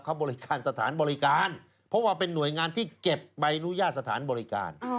เขาบริการสถานบริการเพราะว่าเป็นหน่วยงานที่เก็บใบอนุญาตสถานบริการ